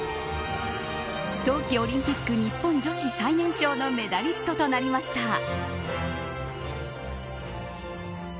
冬季オリンピック日本女子最年少のメダリストとなりました。